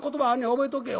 覚えとけよ？